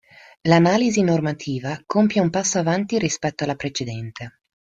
L'analisi normativa compie un passo avanti rispetto alla precedente.